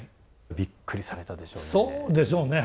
びっくりされたでしょうね。